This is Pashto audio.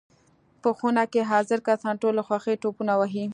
په خونه کې حاضر کسان ټول له خوښۍ ټوپونه وهي.